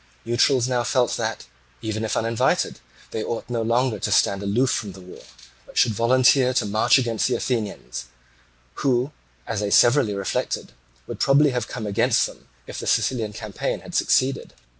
Neutrals now felt that even if uninvited they ought no longer to stand aloof from the war, but should volunteer to march against the Athenians, who, as they severally reflected, would probably have come against them if the Sicilian campaign had succeeded.